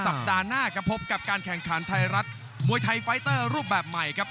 สัปดาห์หน้าครับพบกับการแข่งขันไทยรัฐมวยไทยไฟเตอร์รูปแบบใหม่ครับ